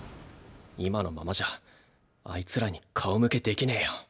今のままじゃあいつらに顔向けできねぇよ。